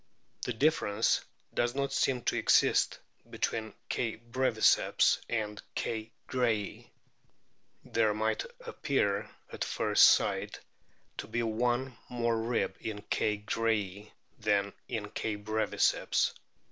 The difference does not seem to exist between K. breviceps and K. grayi. There might appear at first sight to be one more rib in K. grayi than in K. breviceps.